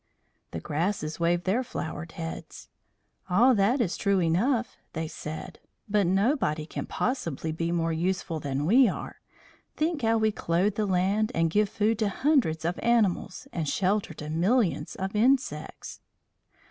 The grasses waved their flowered heads. "All that is true enough," they said; "but nobody can possibly be more useful than we are. Think how we clothe the land and give food to hundreds of animals and shelter to millions of insects."